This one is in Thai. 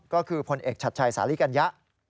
ก็คือพลเอกชัดชัยสาลิกัญญะ